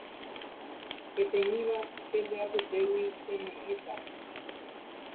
Peteĩva pende apytégui cheme'ẽta